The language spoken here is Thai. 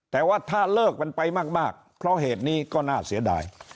แต่ว่าถ้าเลิกกันไปมากเพราะเหตุนี้ก็น่าเสียดาย